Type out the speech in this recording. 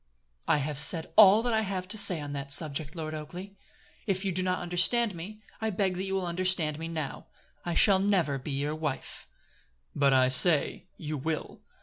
"I have said all that I have to say on that subject, Lord Oakleigh. If you did not understand me, I beg that you will understand me now. I shall never be your wife." "But I say, you will."